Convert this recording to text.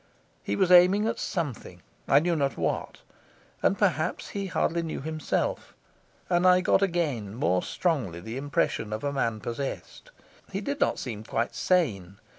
He was aiming at something, I knew not what, and perhaps he hardly knew himself; and I got again more strongly the impression of a man possessed. He did not seem quite sane.